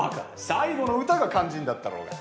最後の歌が肝心だったろうが。